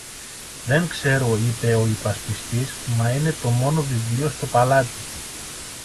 Δεν ξέρω, είπε ο υπασπιστής, μα είναι το μόνο βιβλίο στο παλάτι.